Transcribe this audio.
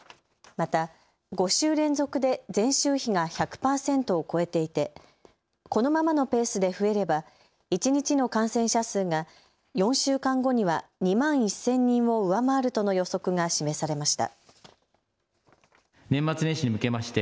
また５週連続で前週比が１００％を超えていて、このままのペースで増えれば一日の感染者数が４週間後には２万１０００人を上回るとの予測が示されました。